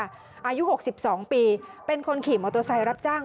อายุ๖๒ปีเป็นคนขี่มอเตอร์ไซค์รับจ้าง